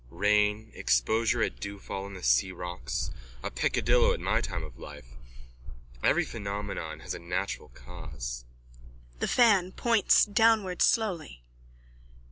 Rain, exposure at dewfall on the searocks, a peccadillo at my time of life. Every phenomenon has a natural cause. THE FAN: _(Points downwards slowly.)